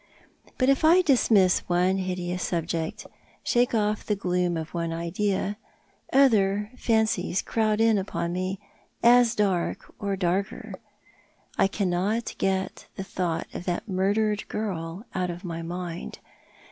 But if I dismiss one hideous subject — shake off the gloom of one idea — other fancies crowd in upon me as dark or darker. I cannot get the thought of that murdered girl out of my mind.